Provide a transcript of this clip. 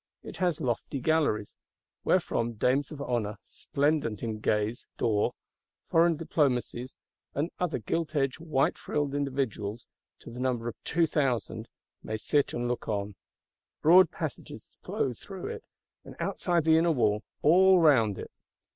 It has lofty galleries; wherefrom dames of honour, splendent in gaze d'or; foreign Diplomacies, and other gilt edged white frilled individuals to the number of two thousand,—may sit and look. Broad passages flow through it; and, outside the inner wall, all round it.